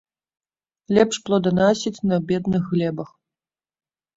Лепш плоданасіць на бедных глебах.